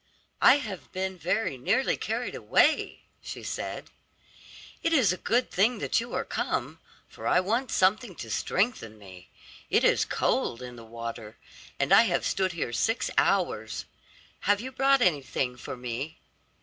"I have been very nearly carried away," she said; "it is a good thing that you are come, for I want something to strengthen me. It is cold in the water, and I have stood here six hours. Have you brought anything for me?"